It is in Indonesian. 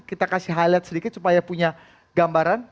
kita kasih highlight sedikit supaya punya gambaran